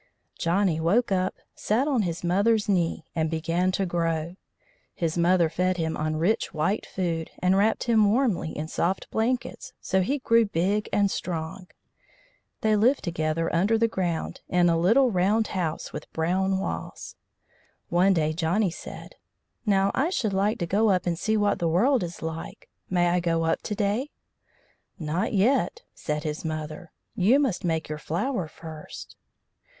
Johnny woke up, sat on his mother's knee, and began to grow. His mother fed him on rich white food, and wrapped him warmly in soft blankets, so he grew big and strong. They lived together under the ground, in a little round house with brown walls. One day Johnny said: "Now, I should like to go up and see what the world is like. May I go up to day?" "Not yet," said his mother. "You must make your flower first."